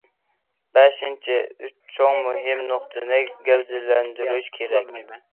بەشىنچى، ئۈچ چوڭ مۇھىم نۇقتىنى گەۋدىلەندۈرۈش كېرەك.